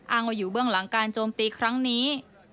ว่าอยู่เบื้องหลังการโจมตีครั้งนี้